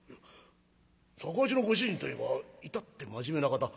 雑穀八のご主人といえば至って真面目な方。